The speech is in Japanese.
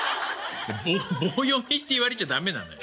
ぼ棒読みって言われちゃ駄目なのよ。